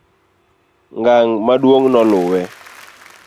ng'ang' maduong' noluwe